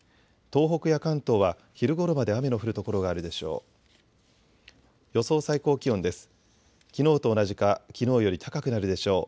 東北や関東は昼ごろまで雨の降る所があるでしょう。